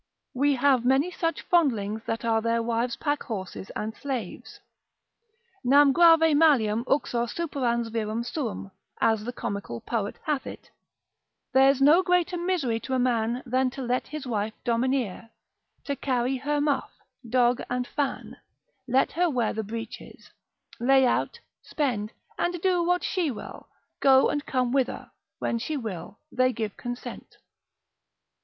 We have many such fondlings that are their wives' packhorses and slaves, (nam grave malum uxor superans virum suum, as the comical poet hath it, there's no greater misery to a man than to let his wife domineer) to carry her muff, dog, and fan, let her wear the breeches, lay out, spend, and do what she will, go and come whither, when she will, they give consent.